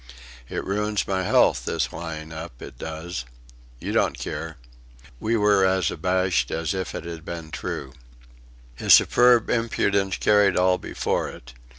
It ruins my health, this lying up, it does. You don't care." We were as abashed as if it had been true. His superb impudence carried all before it.